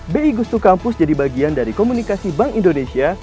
bi gustu kampus jadi bagian dari komunikasi bank indonesia